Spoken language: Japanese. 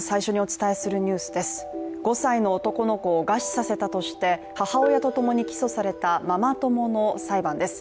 ５歳の男の子を餓死させたとして母親とともに起訴されたママ友の裁判です。